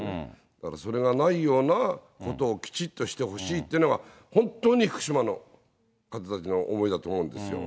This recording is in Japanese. だからそれがないようなことをきちっとしてほしいっていうのは、本当に福島の方たちの思いだと思うんですよ。